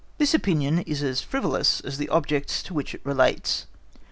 This opinion is as frivolous as the objects to which it relates.